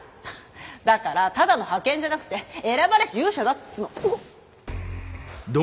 だからただの派遣じゃなくて選ばれし勇者だっつうのおっ。